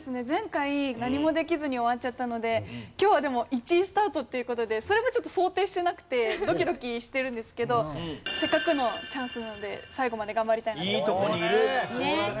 前回何もできずに終わっちゃったので今日はでも１位スタートっていう事でそれがちょっと想定してなくてドキドキしてるんですけどせっかくのチャンスなので最後まで頑張りたいなと思います。